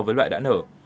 so với loại đã nở